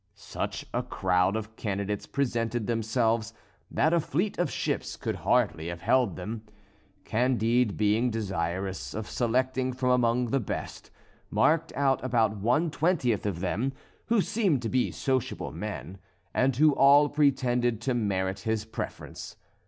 Such a crowd of candidates presented themselves that a fleet of ships could hardly have held them. Candide being desirous of selecting from among the best, marked out about one twentieth of them who seemed to be sociable men, and who all pretended to merit his preference.